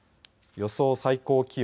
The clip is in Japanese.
予想最低気温。